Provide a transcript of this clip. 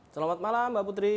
selamat malam mbak putri